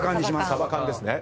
サバカンですね。